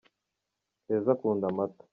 keza Akunda Amata.